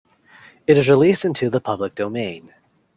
It is released into the public domain.